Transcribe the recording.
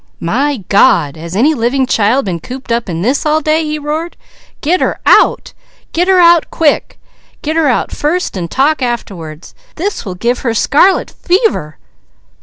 "My God! Has any living child been cooped in this all day?" he roared. "Get her out! Get her out quick! Get her out first and talk afterward. This will give her scarlet fever!"